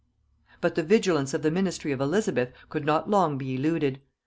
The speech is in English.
But the vigilance of the ministry of Elizabeth could not long be eluded.